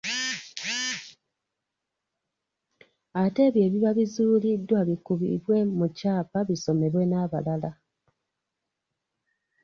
Ate ebyo ebiba bizuuliddwa bikubibwe mu kyapa bisomebwe n’abalala.